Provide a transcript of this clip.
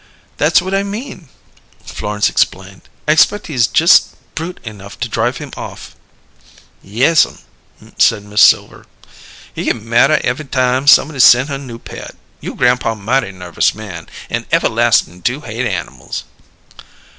"That's what I mean," Florence explained. "I expect he's just brute enough to drive him off." "Yes'm," said Mrs. Silver. "He git madder ev'y time somebody sen' her new pet. You' grampaw mighty nervous man, an' everlas'n'ly do hate animals."